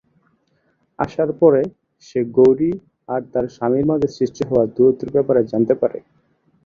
আসার পরে সে গৌরী আর তার স্বামীর মাঝে সৃষ্টি হওয়া দূরত্বের ব্যাপারে জানতে পারে।